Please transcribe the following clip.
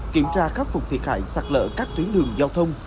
kiểm tra khắc phục thiệt hại sạt lỡ các tuyến đường giao thông